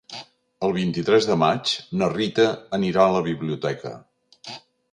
El vint-i-tres de maig na Rita anirà a la biblioteca.